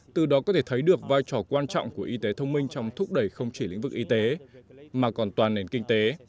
từ đó có thể thấy được vai trò quan trọng của y tế thông minh trong thúc đẩy không chỉ lĩnh vực y tế mà còn toàn nền kinh tế